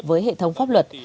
với hệ thống pháp luật